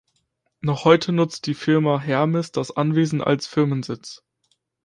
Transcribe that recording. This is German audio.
Noch heute nutzt die Firma Hermes das Anwesen als Firmensitz.